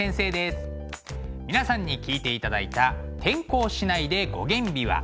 皆さんに聴いていただいた「転校しないで五絃琵琶」。